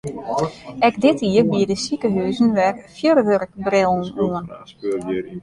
Ek dit jier biede sikehuzen wer fjurwurkbrillen oan.